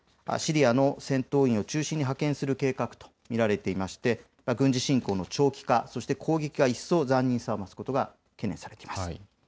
シリアの戦闘員を中心に派遣する計画と見られていまして軍事侵攻の長期化、そして攻撃が一層残忍さを増すことが懸念されています。